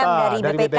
apa sdm dari bpk